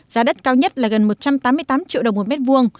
giá đất cao nhất là gần một trăm tám mươi tám triệu đồng một mét vuông